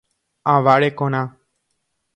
Ava rekorã.